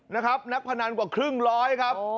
นักพนันกว่าครึ่งร้อยครับ